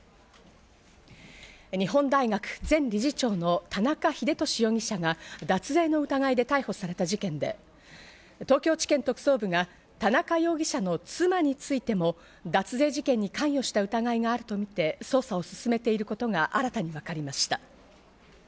日本大学前理事長の田中英壽容疑者が脱税の疑いで逮捕された事件で、東京地検特捜部が田中容疑者の妻についても、脱税事件に関与した疑いがあるとみて捜査を進めていることが新たに分かりました。